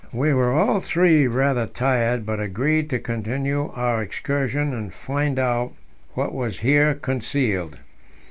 We were all three rather tired, but agreed to continue our excursion, and find out what was here concealed.